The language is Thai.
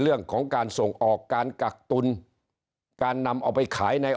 เรื่องของการส่งออกการกักตุลการนำเอาไปขายใน